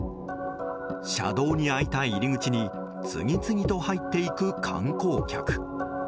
車道に開いた入り口に次々と入っていく観光客。